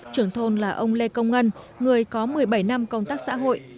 trưởng thôn là ông lê công ngân người có một mươi bảy năm công tác xã hội